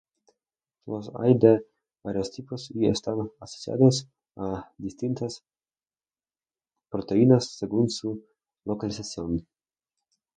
Los hay de varios tipos y están asociados a distintas proteínas, según su localización.